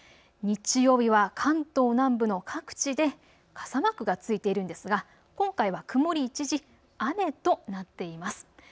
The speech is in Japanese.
日曜日は関東南部の各地で傘マークがついているんですが今回は曇り一時雨となっています。